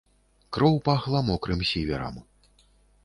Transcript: Кроў пахла мокрым сіверам.